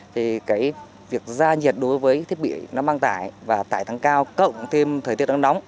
thì cái việc ra nhiệt đối với thiết bị nó mang tải và tải tăng cao cộng thêm thời tiết nắng nóng